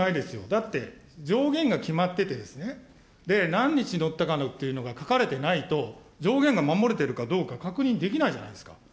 だって、上限が決まっててですね、何日乗ったかっていうのが書かれてないと、上限が守れてるかどうか、確認できないじゃないですか。